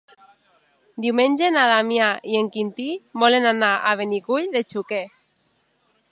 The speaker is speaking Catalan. Diumenge na Damià i en Quintí volen anar a Benicull de Xúquer.